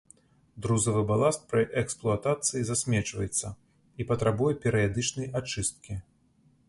Друзавы баласт пры эксплуатацыі засмечваецца і патрабуе перыядычнай ачысткі.